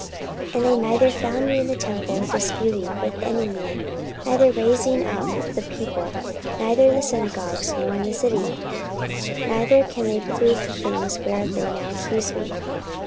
44:024:012 And they neither found me in the temple disputing with any man, neither raising up the people, neither in the synagogues, nor in the city: 44:024:013 Neither can they prove the things whereof they now accuse me.